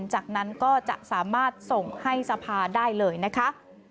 จากนั้นก็จะสามารถส่งให้สภาได้เลยนะคะ